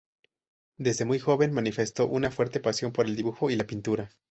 Desde muy joven manifestó una fuerte pasión por el dibujo y la pintura.